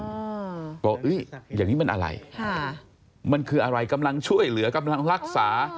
อย่างนี้มันอะไรมันคืออะไรกำลังช่วยเหลือกำลังรักษา